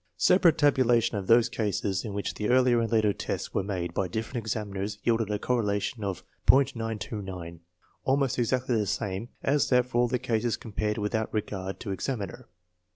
Separate tabulation of those cases in which the earlier and later tests were made by different examiners yielded a correlation of .929, almost exactly the same as that for all the cases com pared without regard to examiner.